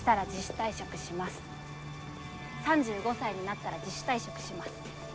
３５歳になったら自主退職します。